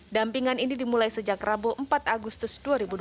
dampingan ini dimulai sejak rabu empat agustus dua ribu dua puluh